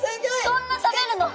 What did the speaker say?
そんな食べるの！？